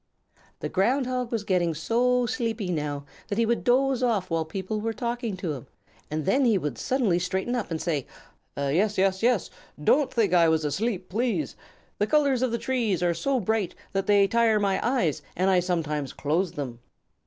The Ground Hog was getting so sleepy now that he would doze off while people were talking to him, and then he would suddenly straighten up and say: "Yes, yes, yes! Don't think that I was asleep, please. The colors of the trees are so bright that they tire my eyes and I sometimes close them."